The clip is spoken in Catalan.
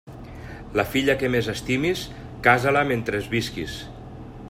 La filla que més estimis, casa-la mentre visquis.